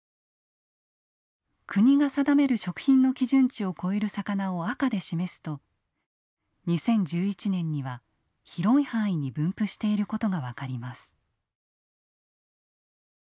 国が定める食品の基準値を超える魚を赤で示すと２０１１年には広い範囲に分布していることが分かります。